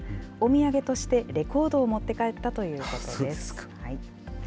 お土産としてレコードを持って帰ったということです。